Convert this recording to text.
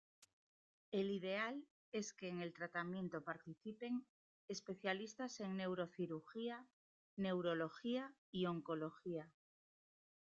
El ideal es que en el tratamiento participen especialistas en neurocirugía, neurología y oncología.